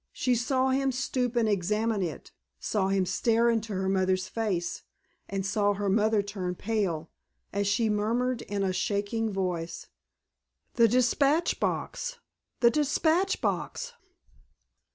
She saw him stoop and examine it, saw him stare into her mother's face, and saw her mother turn pale, as she murmured in a shaking voice, "The dispatch box—the dispatch box!"